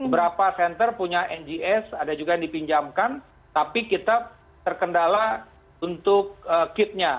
ada beberapa senter punya ngs ada juga yang dipinjamkan tapi kita terkendala untuk kitnya